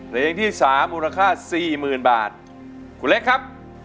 เพลงที่สามมูลค่าสี่หมื่นบาทคุณเล็กครับ